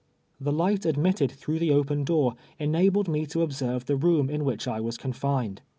The light admitted through the open door enabled me to observe the room in which I was confined.